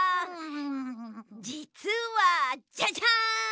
じつはジャジャン！